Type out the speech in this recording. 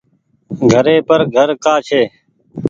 گهري پر گهر ڪآ ڇي۔